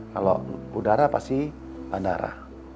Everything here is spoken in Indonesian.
kalau udara pasti bandara